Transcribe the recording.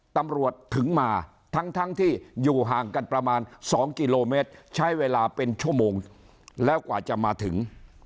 ตำรวจถึงมาทั้งที่อยู่ห่างกันประมาณ๒กิโลเมตรใช้เวลาเป็นชั่วโมงแล้วกว่าจะมาถึง